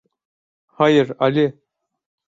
Hayır, Ali.